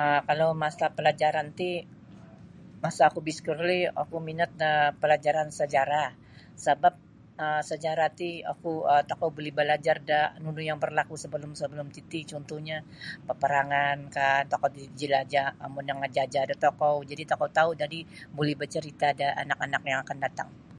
um kalau mata pelajaran ti masa oku biskul ri oku minat da pelajaran sejarah sabap um sejarah ti oku tokou buli balajar da nunu yang berlaku sabalum-sabalum titi cuntuhnyo paparangan kah tokou ti jinalajah ombo namajajah da tokou jadi tokou tau jadi buli bacarita da anak-anak yang akan datang.